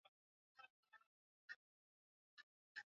Watoto hawa waliogopa kuwa angeweza kuwaua